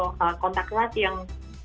elat atau kontak elat yang